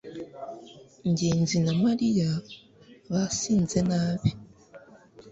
ngenzi na mariya basinze nabi